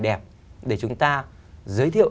đẹp để chúng ta giới thiệu